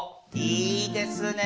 いいですね。